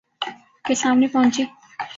کے سامنے پہنچی